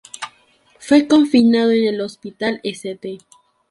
Fue confinado en el Hospital St.